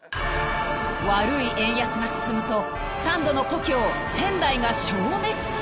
［悪い円安が進むとサンドの故郷仙台が消滅？］